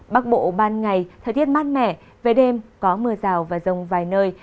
bắc bộ ban ngày thời tiết mát mẻ về đêm có mưa rào và rông vài nơi